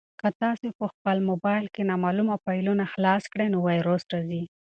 که تاسي په خپل موبایل کې نامعلومه فایلونه خلاص کړئ نو ویروس راځي.